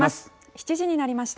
７時になりました。